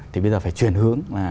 thì bây giờ phải chuyển hướng